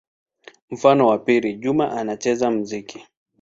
Mfano wa pili: Juma anacheza muziki.